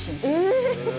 え！